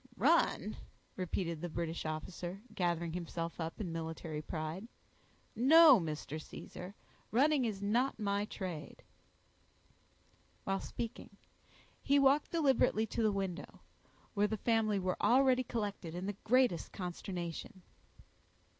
"Run!" repeated the British officer, gathering himself up in military pride. "No, Mr. Caesar, running is not my trade." While speaking, he walked deliberately to the window, where the family were already collected in the greatest consternation.